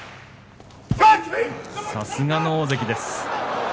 さすがの大関です。